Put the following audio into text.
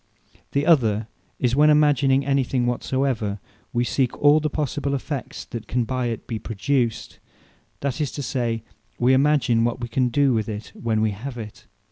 The other is, when imagining any thing whatsoever, wee seek all the possible effects, that can by it be produced; that is to say, we imagine what we can do with it, when wee have it.